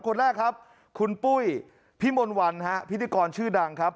คนแรกครับคุณปุ้ยพี่มนต์วันฮะพิธีกรชื่อดังครับ